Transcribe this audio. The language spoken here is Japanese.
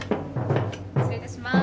失礼いたします。